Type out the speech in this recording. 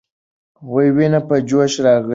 ويني په جوش راغلې.